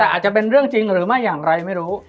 มันทำให้ชีวิตผู้มันไปไม่รอด